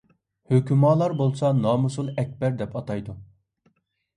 ھۆكۈمالار بولسا نامۇسۇل ئەكبەر دەپ ئاتايدۇ.